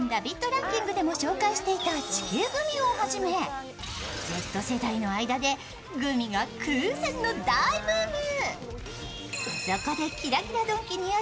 ランキングでも紹介していた地球グミを初め、Ｚ世代の間で、グミが空前の大ブーム。